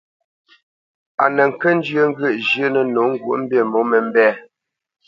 A nə kə́ njyə́ ŋgyə̂ʼ zhyə́nə̄ nǒ ŋgwǒʼmbî mǒmə́mbɛ̂.